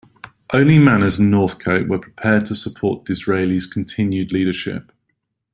Only Manners and Northcote were prepared to support Disraeli's continued leadership.